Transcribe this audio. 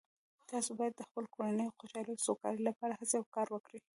تاسو باید د خپلې کورنۍ د خوشحالۍ او سوکالۍ لپاره هڅې او کار وکړئ